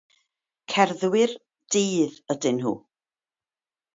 Cerddwyr dydd ydyn nhw.